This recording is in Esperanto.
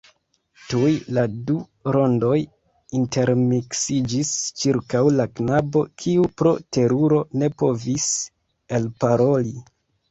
Tuj la du rondoj intermiksiĝis ĉirkaŭ la knabo, kiu pro teruro ne povis elparoli.